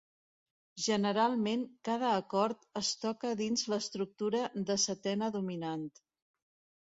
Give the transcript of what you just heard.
Generalment, cada acord es toca dins l'estructura de setena dominant.